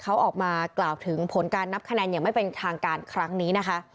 เขาออกมากล่าวถึงผลการนับคะแนนอย่างไม่เป็นทางการครั้งนี้นะคะ